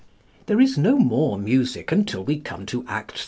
There is no more music until we come to Act iii.